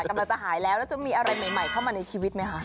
กำลังจะหายแล้วแล้วจะมีอะไรใหม่เข้ามาในชีวิตไหมคะ